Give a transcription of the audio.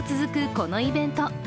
このイベント。